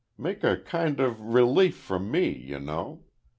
Make a kind of relief from me, you know.